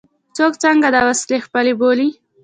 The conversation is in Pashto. څوک څنګه دا وسیلې خپلې وبولي.